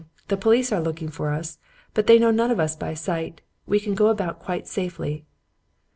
The police are looking for us, but they know none of us by sight. We can go about quite safely.'